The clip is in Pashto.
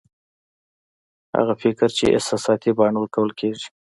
هغه فکر چې احساساتي بڼه ورکول کېږي